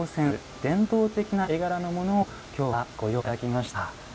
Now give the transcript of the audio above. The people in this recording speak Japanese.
伝統的な絵柄のものをきょうはご用意いただきました。